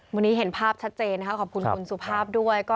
วันนี้เห็นภาพชัดเจนนะคะขอบคุณคุณสุภาพด้วย